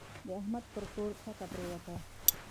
د احمد پر کور ټکه پرېوته.